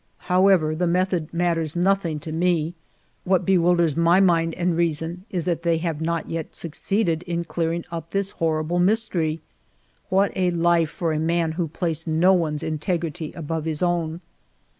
However, the method matters nothing to me. What bewilders my mind and reason is that they ALFRED DREYFUS 167 have not as yet succeeded in clearing up this horrible mystery. ... What a life for a man who placed no one's integrity above his own